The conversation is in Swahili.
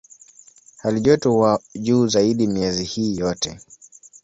Halijoto huwa juu zaidi miezi hii yote.